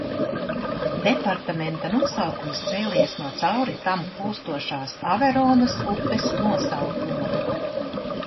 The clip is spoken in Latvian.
Departamenta nosaukums cēlies no cauri tam plūstošās Averonas upes nosaukuma.